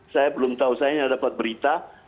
saya belum tahu saya hanya dapat berita